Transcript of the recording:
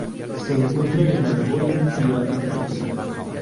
Se encuentra en Angola y África tropical.